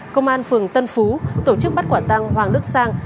công an phường tân phú tổ chức bắt quả tăng hoàng đức sang